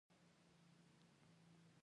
هر ځل به د هغه مور راغله.